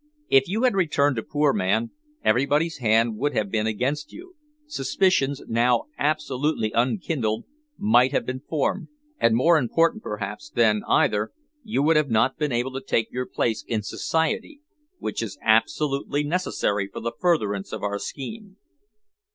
"If you had returned a poor man, everybody's hand would have been against you; suspicions, now absolutely unkindled, might have been formed; and, more important, perhaps, than either, you would not have been able to take your place in Society, which is absolutely necessary for the furtherance of our scheme."